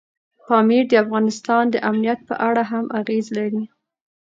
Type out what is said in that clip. پامیر د افغانستان د امنیت په اړه هم اغېز لري.